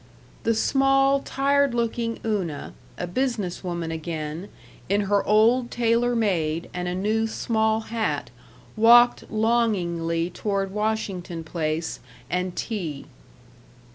The small, tired looking Una, a business woman again, in her old tailor made and a new, small hat, walked longingly toward Washington Place and tea.